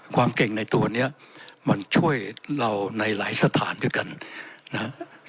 ความเก่งในตัวนี้มันช่วยเราในหลายสถานด้วยกันนะฮะ